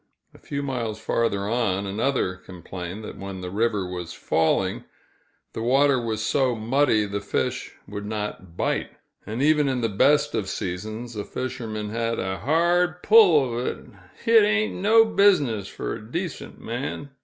A few miles farther on, another complained that when the river was falling, the water was so muddy the fish would not bite; and even in the best of seasons, a fisherman had "a hard pull uv it; hit ain't no business fer a decent man!"